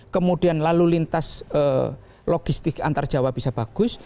kemudian lalu lintas logistik antar jawa bisa bagus